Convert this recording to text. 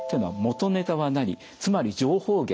つまり情報源。